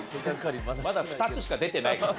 まだ２つしか出てないから。